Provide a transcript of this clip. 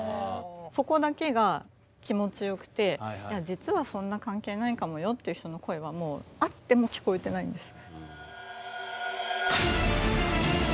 そこだけが気持ちよくていや実はそんな関係ないかもよっていう人の声はあっても聞こえてないんです。